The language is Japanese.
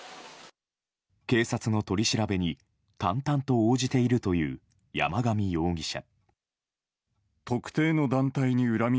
警察の取り調べに、淡々と応じているという山上容疑者。